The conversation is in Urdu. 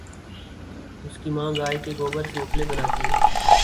اس کی ماں گائےکے گوبر سے اپلے بناتی ہے